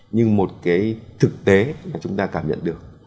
nhưng một cái thực tế mà chúng ta cảm nhận được